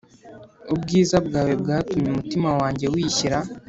Ubwiza bwawe bwatumye umutima wawe wishyira